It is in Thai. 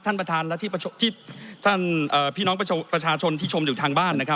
ท่านประธานที่ท่านเอ่อพี่น้องประชาชนที่ชมอยู่ทางบ้านนะครับ